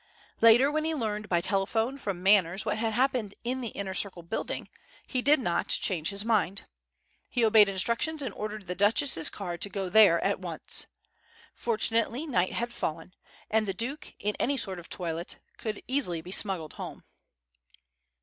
Later, when he learned by telephone from Manners what had happened in the Inner Circle building, he did not change his mind. He obeyed instructions and ordered the Duchess's car to go there at once. Fortunately night had fallen and the Duke, in any sort of toilet, could easily be smuggled home.